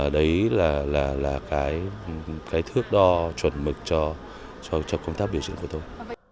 đấy là cái thước đo chuẩn mực cho công tác biểu diễn của tôi